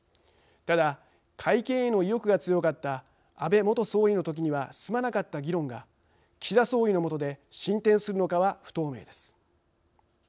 ただ改憲への意欲が強かった安倍元総理のときには進まなかった議論が岸田総理のもとで進展するのかは不透明です。